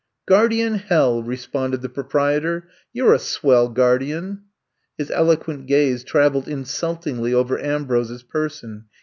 ''Guardian — hell!" responded the pro prietor. "You *re a swell guardian 1" His eloquent gaze traveled insultingly over Ambrose's person.